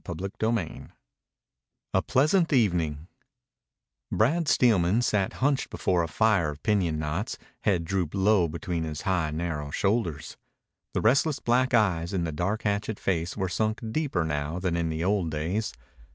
CHAPTER XXXIV A PLEASANT EVENING Brad Steelman sat hunched before a fire of piñon knots, head drooped low between his high, narrow shoulders. The restless black eyes in the dark hatchet face were sunk deeper now than in the old days.